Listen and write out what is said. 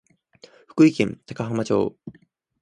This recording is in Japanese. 福井県高浜町